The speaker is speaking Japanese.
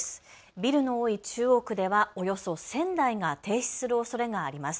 ビルの多い中央区ではおよそ１０００台が停止するおそれがあります。